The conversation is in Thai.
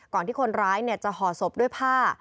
ก่อนที่คนร้ายเนี่ยจะห่อศพด้วยผ้า